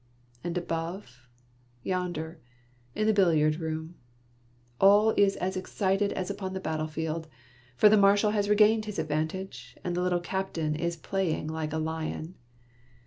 And above, yonder, in the l)illiard room, all is as excited as upon the battle field, for the Marshal has regained his advantage, and the little captain is playing like a lion.